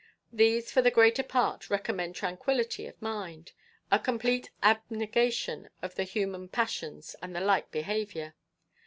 These for the greater part recommend tranquillity of mind, a complete abnegation of the human passions and the like behaviour.